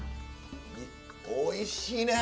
おいしいね。